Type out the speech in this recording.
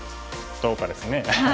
どうかですね。